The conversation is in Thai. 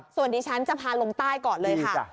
ส่วนที่ฉันจะพาลงใต้ก่อนเลยค่ะ